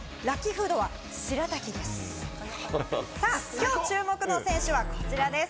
きょう注目の選手は、こちらです。